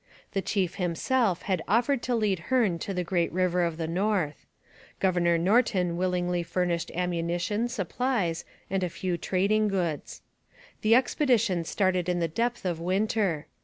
The chief himself had offered to lead Hearne to the great river of the north. Governor Norton willingly furnished ammunition, supplies, and a few trading goods. The expedition started in the depth of winter.